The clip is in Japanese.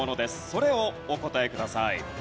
それをお答えください。